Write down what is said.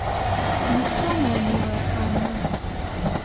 Ну, что моя милая Анна?